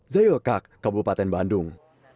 zayokak kabupaten bandung